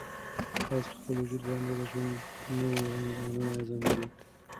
آس په خپل وجود باندې د ژوند نوی رنګ او نوی عزم ولید.